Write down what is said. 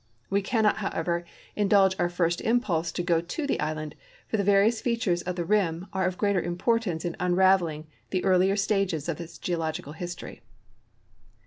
We cannot, however, indulge our first impulse to go to the island, for the various features of the rim are of greater importance in unraveling the earlier stages of its geological history.